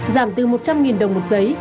giảm từ một trăm linh đồng một giấy